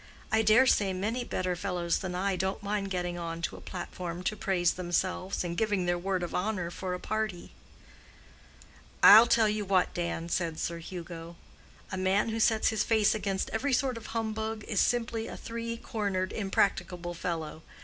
I dare say many better fellows than I don't mind getting on to a platform to praise themselves, and giving their word of honor for a party." "I'll tell you what, Dan," said Sir Hugo, "a man who sets his face against every sort of humbug is simply a three cornered, impracticable fellow.